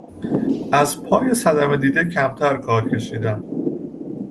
از پای صدمه دیده کمتر کار کشیدن